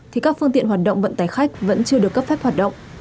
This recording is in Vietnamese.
thì các phương tiện hoạt động vận tải khách vẫn chưa được cấp phép hoạt động